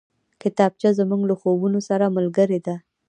کتابچه زموږ له خوبونو سره ملګرې ده